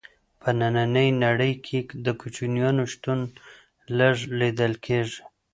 په ننۍ نړۍ کې د کوچیانو شتون لږ لیدل کیږي.